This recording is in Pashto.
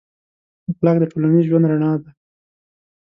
اخلاق د ټولنیز ژوند رڼا ده.